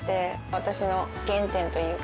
私の原点というか。